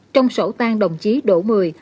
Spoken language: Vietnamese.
trong sổ tan đồng chí đỗ mười